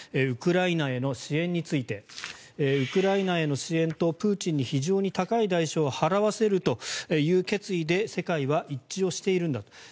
ウクライナへの支援についてウクライナへの支援とプーチンに非常に高い代償を払わせるという決意で世界は一致をしているんだと。